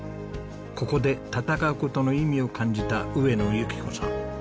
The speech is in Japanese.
ここで戦う事の意味を感じた上野由岐子さん。